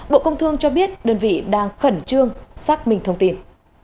bộ công thương cho biết đơn vị đang khẩn trương xác minh thông tin